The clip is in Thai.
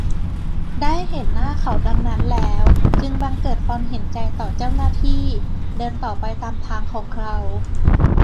ได้เห็นหน้าเขาดังนั้นแล้ว จึงบังเกิดความเห็นใจต่อเจ้าหน้าที่ เดินต่อไปตามทางของเรา